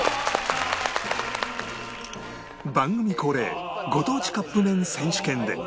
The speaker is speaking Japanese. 番組恒例ご当地カップ麺選手権で